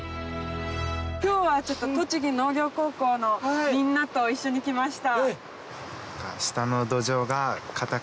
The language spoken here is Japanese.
今日はちょっと栃木農業高校のみんなと一緒に来ました。